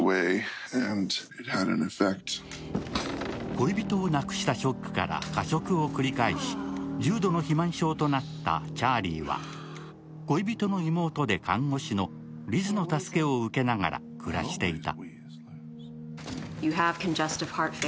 恋人を亡くしたショックから過食を繰り返し重度の肥満症となったチャーリーは恋人の妹で看護師のリズの助けを受けながら暮らしていた。